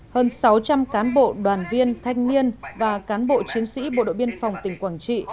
hơn sáu trăm linh cán bộ đoàn viên thanh niên và cán bộ chiến sĩ bộ đội biên phòng tỉnh quảng trị